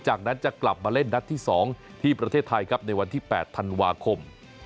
จากนั้นจะกลับมาเล่นนัดที่๒ที่ประเทศไทยครับในวันที่๘ธันวาคม